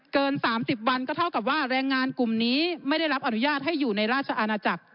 เกิน๓๐วันก็เท่ากับว่าแรงงานกลุ่มนี้ไม่ได้รับอนุญาตให้อยู่ในราชอาณาจักร